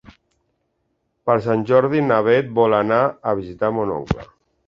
Per Sant Jordi na Bet vol anar a visitar mon oncle.